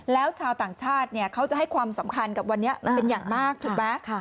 แล้วชาวต่างชาติเขาจะให้ความสำคัญกับวันนี้เป็นอย่างมากถูกไหม